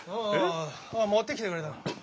持ってきてくれたの。